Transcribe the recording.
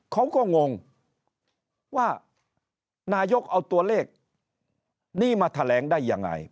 เขาก็งงว่านายกเอาตัวเลขนี้มาแถลงได้ยังไง